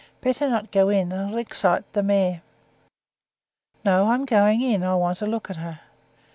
Better not go in, it'll excite the mare." "No, I'm going in. I want to look at her."